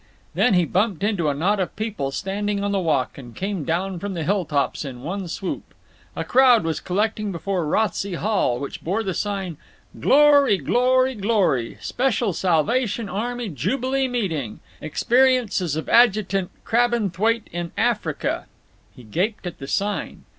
Then he bumped into a knot of people standing on the walk, and came down from the hilltops in one swoop. A crowd was collecting before Rothsey Hall, which bore the sign: GLORY—GLORY—GLORY SPECIAL SALVATION ARMY JUBILEE MEETING EXPERIENCES OF ADJUTANT CRABBENTHWAITE IN AFRICA He gaped at the sign.